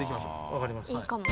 わかりました。